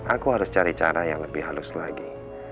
aku harus cari cara yang lebih halus lagi